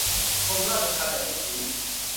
กรมราชทัณฑ์ยังไม่ชี้